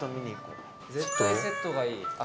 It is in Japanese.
絶対セットがいい。